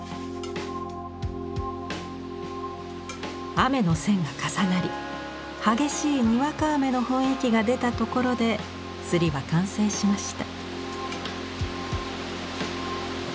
雨の線が重なり激しいにわか雨の雰囲気が出たところで摺りは完成しました。